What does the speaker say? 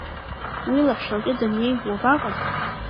Уи лаҳәшьа лҿы даннеи, уабаҟаз?